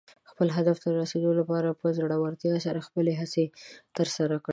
خپل هدف ته د رسېدو لپاره په زړۀ ورتیا سره خپلې هڅې ترسره کړه.